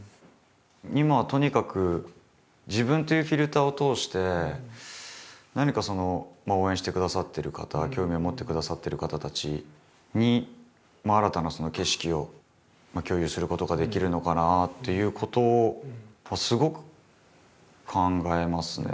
今はとにかく自分というフィルターを通して何か応援してくださってる方興味を持ってくださってる方たちに新たな景色を共有することができるのかなっていうことはすごく考えますね。